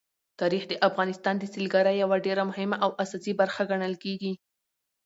تاریخ د افغانستان د سیلګرۍ یوه ډېره مهمه او اساسي برخه ګڼل کېږي.